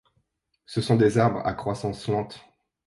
Ce sont des arbres à croissance lente.